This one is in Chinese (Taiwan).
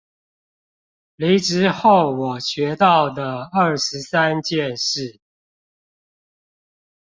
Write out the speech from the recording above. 離職後我學到的二十三件事